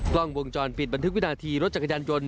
กล้องวงจรปิดบันทึกวินาทีรถจักรยานยนต์